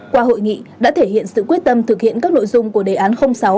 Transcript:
qua hội nghị đã thể hiện sự quyết tâm thực hiện các nội dung của đề án sáu